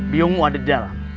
biongkoh ada di dalam